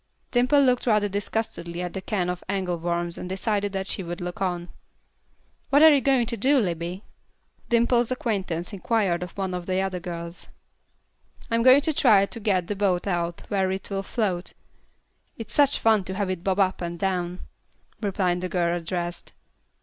Dimple looked rather disgustedly at the can of angle worms and decided that she would look on. "What are you going to do, Libbie?" Dimple's acquaintance inquired of one of the other girls. "I'm going to try to get the boat out where it will float. It's such fun to have it bob up and down," replied the girl addressed.